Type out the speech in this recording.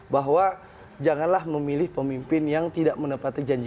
bahwa janganlah memilih pemimpin yang tidak menepati janji